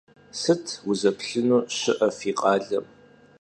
Sıt vuzeplhınu şı'e fi khalem?